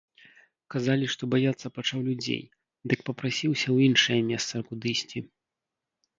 Казалі, што баяцца пачаў людзей, дык папрасіўся ў іншае месца кудысьці.